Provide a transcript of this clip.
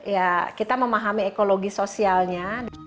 ya kita memahami ekologi sosialnya